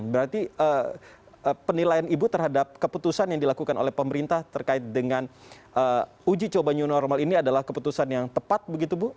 berarti penilaian ibu terhadap keputusan yang dilakukan oleh pemerintah terkait dengan uji coba new normal ini adalah keputusan yang tepat begitu bu